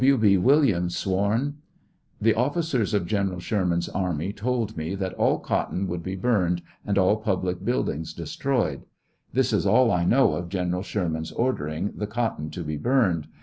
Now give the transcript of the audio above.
W. B. Williams Sworn . The officers of General Sherman's army told me that all cotton would be burned and all public buildings destroyed. This is all I know of General Sherman's ordering the cotton to be burned.